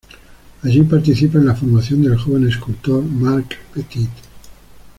Allí participa en la formación del joven escultor Marc Petit.